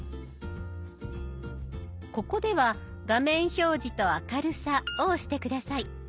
ここでは「画面表示と明るさ」を押して下さい。